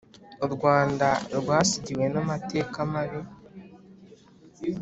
U Rwanda rwasigiwe n’amateka mabi